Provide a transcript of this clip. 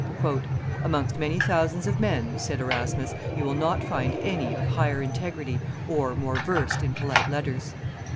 "Amongst many thousands of men," said Erasmus, "you will not find any of higher integrity and more versed in polite letters."